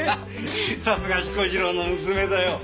さすが彦次郎の娘だよ。